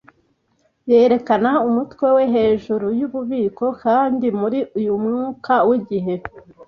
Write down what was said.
yerekana umutwe we hejuru yububiko. Kandi ,, muri uyu mwuka wigihe ,.